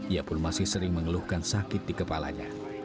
ia pun masih sering mengeluhkan sakit di kepalanya